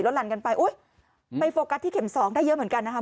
หลั่นกันไปอุ๊ยไปโฟกัสที่เข็มสองได้เยอะเหมือนกันนะครับ